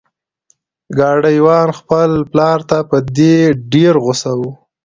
ګاډی وان خپل پلار ته په دې ډیر غوسه و.